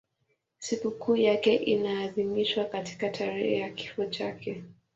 Sikukuu yake inaadhimishwa katika tarehe ya kifo chake.